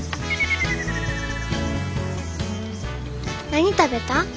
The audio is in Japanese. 「何食べた？